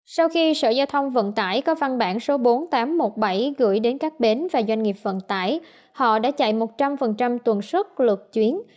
sau khi sở giao thông vận tải có văn bản số bốn nghìn tám trăm một mươi bảy gửi đến các bến và doanh nghiệp vận tải họ đã chạy một trăm linh tuần xuất lượt chuyến